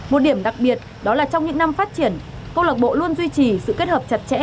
một điểm đặc biệt đó là trong những năm phát triển công lạc bộ luôn duy trì sự kết hợp chặt chẽ